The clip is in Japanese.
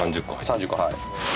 ３０個はい。